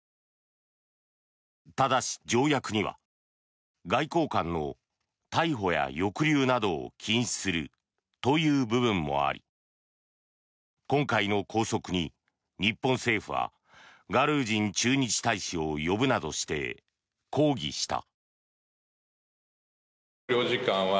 ただし、条約には外交官の逮捕や抑留などを禁止するという部分もあり今回の拘束に日本政府はガルージン駐日大使を呼ぶなどして抗議した。